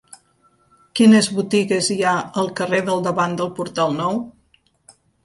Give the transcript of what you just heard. Quines botigues hi ha al carrer del Davant del Portal Nou?